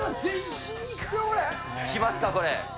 効きますか、これ。